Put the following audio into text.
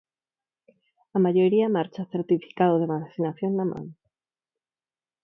A maioría marcha certificado de vacinación na man.